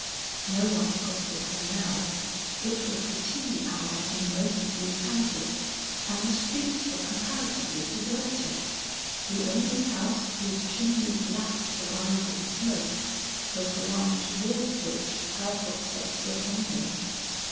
No one accosted her now, it was the tea hour in most of these houses and the streets were comparatively deserted. The only house whose chimneys lacked the rising smoke, was the one towards which her footsteps were tending.